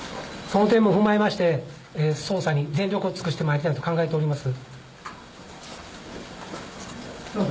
その点も踏まえまして、捜査に全力を尽くしてまいりたいと考えております。